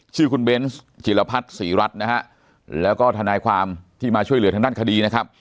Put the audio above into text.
ชื่อคุณเบนส์จิลพัฒน์ศรีรัฐนะฮะแล้วก็ทนายความที่มาช่วยเหลือทางด้านคดีนะครับ